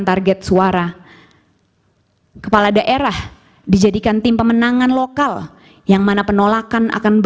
target suara kepala daerah dijadikan tim pemenangan lokal yang mana penolakan akan